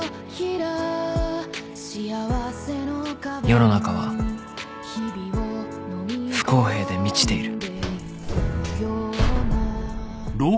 ［世の中は不公平で満ちている］